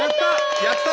やった！